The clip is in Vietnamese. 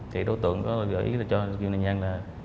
thì đối tượng gửi cho nạn nhân